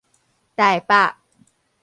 臺北